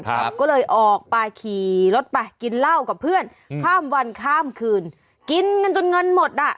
ครับก็เลยออกไปขี่รถไปกินเหล้ากับเพื่อนข้ามวันข้ามคืนกินกันจนเงินหมดอ่ะ